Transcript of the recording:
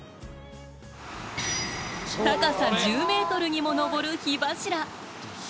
高さ１０ｍにも上る火柱。